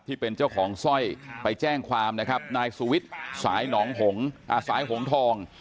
ที่เป็นเจ้าของสร้อยไปแจ้งความนะครับนายสุวิทย์สายหนองหงสายหงทอง